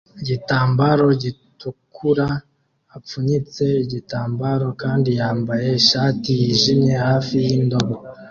igitambaro gitukura apfunyitse igitambaro kandi yambaye ishati yijimye hafi yindobo